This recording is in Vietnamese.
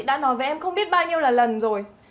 chị đã nói với em không biết bao nhiêu lần rồi